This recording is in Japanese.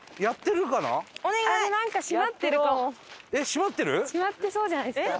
閉まってそうじゃないですか？